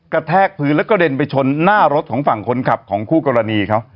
แทกพื้นแล้วก็เด็นไปชนหน้ารถของฝั่งคนขับของคู่กรณีเขา